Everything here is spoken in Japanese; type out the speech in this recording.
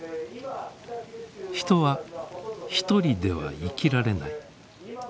人は一人では生きられない。